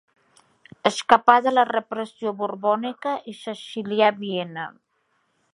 Escapà de la repressió borbònica i s'exilià a Viena.